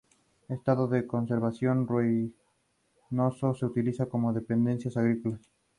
Estado de conservación ruinoso, se utiliza como dependencias agrícolas.